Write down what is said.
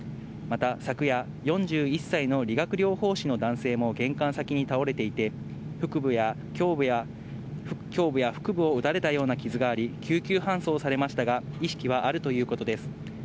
また昨夜、４１歳の理学療法士の男性も玄関先に倒れていて、胸部や腹部を撃たれたような傷があり、救急搬送されましたが意識はあるということです。